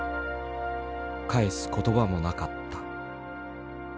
返す言葉もなかった。